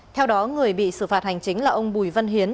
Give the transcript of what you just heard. theo đó người bị xử phạt hành chính là ông bùi văn hiến